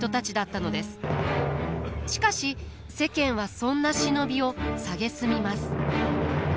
しかし世間はそんな忍びを蔑みます。